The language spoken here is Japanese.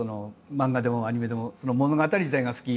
漫画でもアニメでも物語自体が好き。